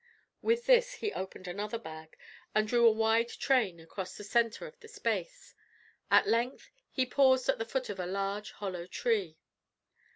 With this, he opened another bag, and drew a wide train towards the centre of the space. At length, he paused at the foot of a large hollow tree.